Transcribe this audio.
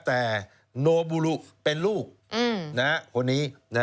แต่โนบูรุเป็นลูกคนนี้